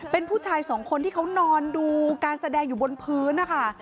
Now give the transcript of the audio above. เป็นผู้ชายสองคนที่เขานอนดูการแสดงอยู่บนพื้นนะคะ